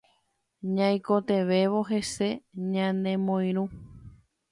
Ñaikotevẽvo hese ñanemoirũ